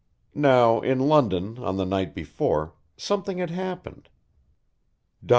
Now in London on the night before, something had happened. Dr.